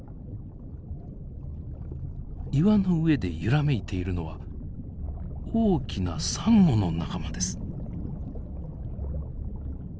岩の上で揺らめいているのは大きなサンゴの仲間です。